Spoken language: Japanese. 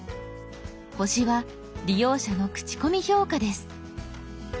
「星」は利用者の口コミ評価です。